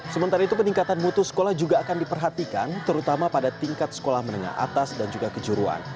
sementara itu peningkatan mutu sekolah juga akan diperhatikan terutama pada tingkat sekolah menengah atas dan juga kejuruan